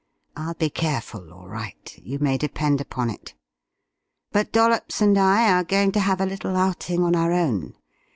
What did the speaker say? I'll be careful, all right. You may depend upon it. But Dollops and I are going to have a little outing on our own.